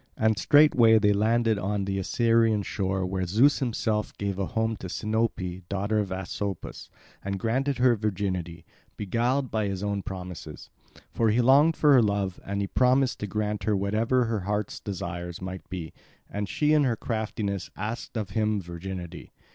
And straightway they landed on the Assyrian shore where Zeus himself gave a home to Sinope, daughter of Asopus, and granted her virginity, beguiled by his own promises. For he longed for her love, and he promised to grant her whatever her hearts desire might be. And she in her craftiness asked of him virginity.